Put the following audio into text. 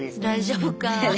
大丈夫か？